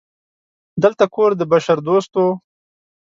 دلته کور د بشردوستو